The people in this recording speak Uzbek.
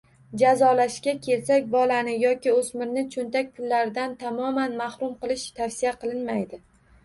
Jazolashga kelsak, bolani yoki o‘smirni cho‘ntak pullaridan tamoman mahrum qilish tavsiya qilinmaydi.